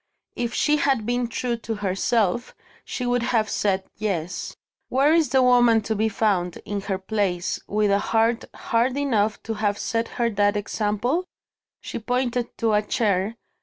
If she had been true to herself, she would have said, Yes. Where is the woman to be found, in her place, with a heart hard enough to have set her that example? She pointed to a chair.